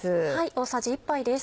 大さじ１杯です。